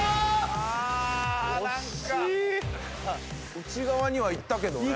内側にはいったけどね